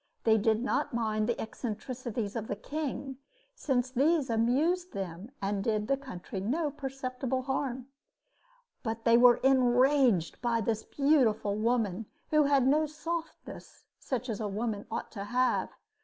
They did not mind the eccentricities of the king, since these amused them and did the country no perceptible harm; but they were enraged by this beautiful woman, who had no softness such as a woman ought to have.